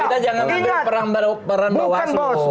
kita jangan ngambil peran bawah suhu